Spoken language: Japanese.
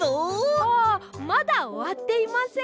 あまだおわっていません。